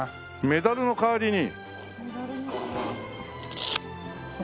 メダルの代わりに。